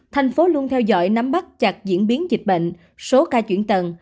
thành phố luôn theo dõi nắm bắt chặt diễn biến dịch bệnh số ca chuyển tần